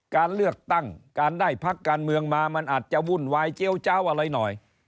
การเลือกตั้งการได้พักการเมืองมามันอาจจะวุ่นวายเจี๊ยวเจ้าอะไรหน่อย